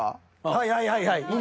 はいはいはいはい。